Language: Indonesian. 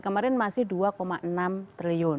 kemarin masih dua enam triliun